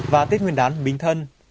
và tết nguyên án bình thân